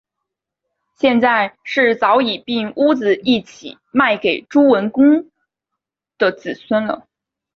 现在是早已并屋子一起卖给朱文公的子孙了